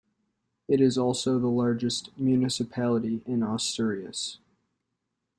It is also the largest municipality in Asturias.